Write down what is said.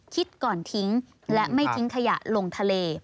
คิดก่อนทิ้งและไม่ทิ้งขยะลงทะเล